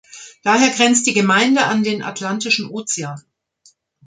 Daher grenzt die Gemeinde an den Atlantischen Ozean.